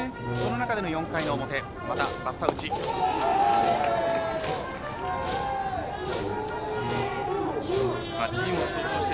この中での４回の表またバスター打ち。